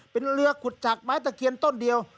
เป็นเรือขุดจากไม้ตะเคียนต้นเดียว